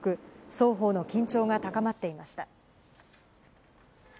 双方の緊張が高まっていました。